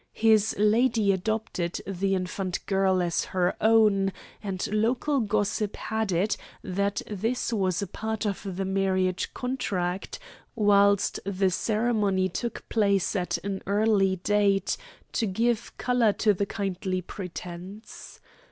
His lady adopted the infant girl as her own, and local gossip had it that this was a part of the marriage contract, whilst the ceremony took place at an early date to give colour to the kindly pretence.